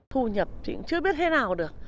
thu nhập chị cũng chưa biết thế nào được